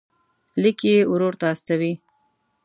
لیک یې ورور ته استوي.